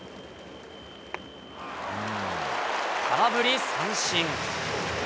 空振り三振。